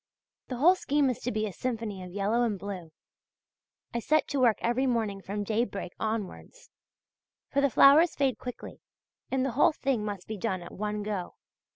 The whole scheme is to be a symphony of yellow and blue. I set to work every morning from daybreak onwards; for the flowers fade quickly and the whole thing must be done at one go.